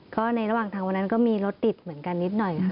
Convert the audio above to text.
ก็ในระหว่างทางวันนั้นก็มีรถติดเหมือนกันนิดหน่อยค่ะ